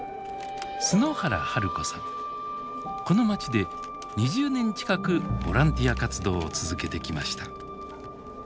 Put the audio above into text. この町で２０年近くボランティア活動を続けてきました。